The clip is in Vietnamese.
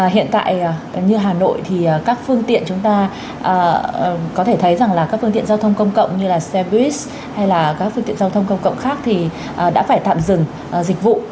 hiện tại như hà nội thì các phương tiện chúng ta có thể thấy rằng là các phương tiện giao thông công cộng như là xe buýt hay là các phương tiện giao thông công cộng khác thì đã phải tạm dừng dịch vụ